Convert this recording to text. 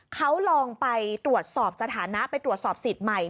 เขาลองไปตรวจสอบสถานะไปตรวจสอบสิทธิ์ใหม่